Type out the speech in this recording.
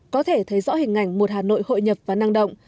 có thể thấy rõ hình ảnh một hà nội hội nhập và năng động